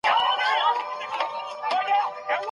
کارخانې څنګه د تولید پلان عملي کوي؟